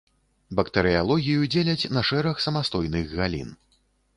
Бактэрыялогію дзеляць на шэраг самастойных галін.